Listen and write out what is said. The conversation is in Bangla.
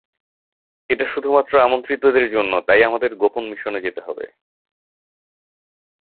এটা শুধুমাত্র আমন্ত্রিতদের জন্য, তাই আমাদের গোপনে মিশে যেতে হবে।